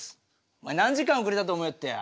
お前何時間遅れたと思いよってや。